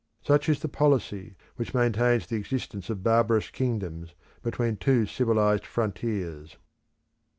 Such is the policy which maintains the existence of barbarous kingdoms between two civilised frontiers.